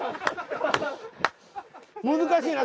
難しいな。